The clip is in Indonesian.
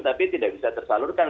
tapi tidak bisa tersalurkan